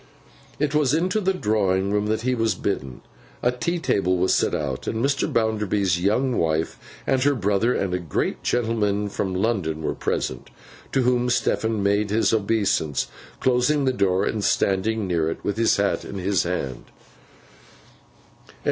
It was into the drawing room that he was thus bidden. A tea table was set out; and Mr. Bounderby's young wife, and her brother, and a great gentleman from London, were present. To whom Stephen made his obeisance, closing the door and standing near it, with his hat in his hand.